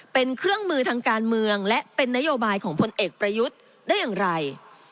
เป็นเครื่องมือทางการเมืองและเป็นนโยบายของพลเอกประยุทธ์ได้อย่างไร